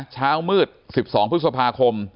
เช้ามืด๑๒พฤษภาคม